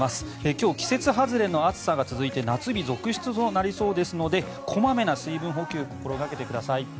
今日、季節外れの暑さが続いて夏日続出となりそうですので小まめな水分補給を心掛けてください。